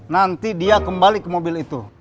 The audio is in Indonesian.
nanti dia kembali ke mobil itu